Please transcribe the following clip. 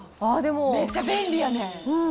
めっちゃ便利やねん。